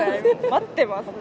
待ってます。